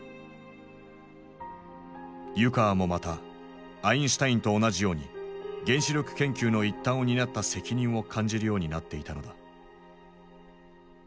湯川もまたアインシュタインと同じように原子力研究の一端を担った責任を感じるようになっていたのだ。